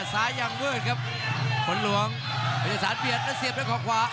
ซ้ายังเบื้ดครับคนหลวงมันจะสารเบียดแล้วเสียบได้ของขวา